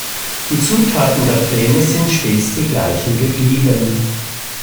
Die Zutaten der Pläne sind stets die gleichen geblieben.